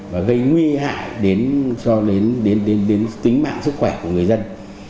và gây nguy hại đến tính mạng sức khỏe của người dân